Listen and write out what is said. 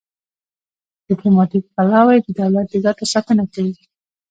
ډیپلوماتیک پلاوی د دولت د ګټو ساتنه کوي